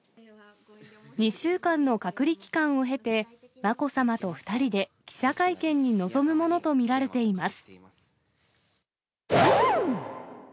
２週間の隔離期間を経て、まこさまと２人で記者会見に臨むものと見られています。